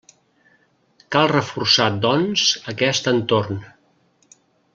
Cal reforçar, doncs, aquest entorn.